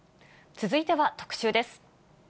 続いては特集です。